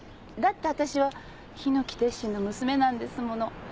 だって私は檜鉄心の娘なんですもの。